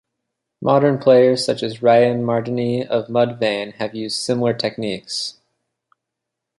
Modern players such as Ryan Martinie of Mudvayne have used similar techniques.